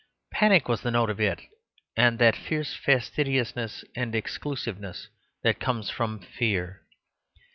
Panic was the note of it, and that fierce fastidiousness and exclusiveness that comes from fear.